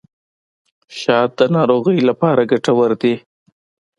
شات د ناروغیو لپاره ګټور دي.